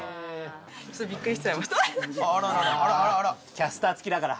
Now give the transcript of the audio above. キャスター付きだから！